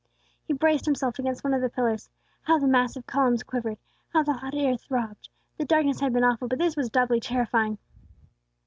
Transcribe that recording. He braced himself against one of the pillars. How the massive columns quivered! How the hot air throbbed! The darkness had been awful, but this was doubly terrifying.